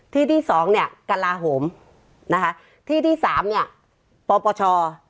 ที่ที่สองเนี่ยกระลาโหมนะคะที่ที่สามเนี่ยปปช